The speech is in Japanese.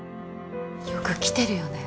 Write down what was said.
よく来てるよね